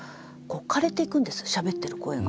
かれていくんですしゃべってる声が。